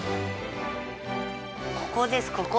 ここですここ！